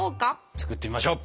作ってみましょう。